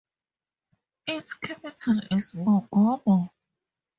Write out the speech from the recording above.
Its capital is Mongomo.